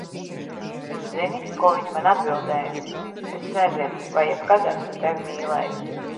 Un zini, ko viņa man atbildēja, "Es nezinu, vai jebkad esmu tevi mīlējusi."